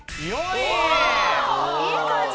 いい感じ。